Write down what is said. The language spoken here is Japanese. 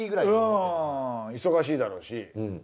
うん忙しいだろうし。